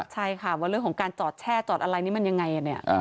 ใช่ค่ะว่าเรื่องของการจอดแช่จอดอะไรนี่มันยังไงเนี่ย